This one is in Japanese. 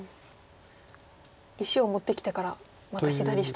石を持ってきてからまた左下と。